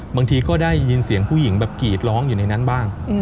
บางทีก็ได้ยินเสียงผู้หญิงแบบกรีดร้องอยู่ในนั้นบ้าง